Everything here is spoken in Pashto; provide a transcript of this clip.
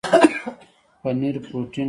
پنیر پروټین لري